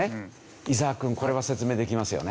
伊沢くんこれは説明できますよね？